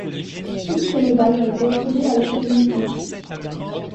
Toutes ces médailles ont été obtenues à l'épée uniquement.